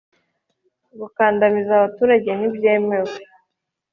gukandamiza abaturage ntibyemewe.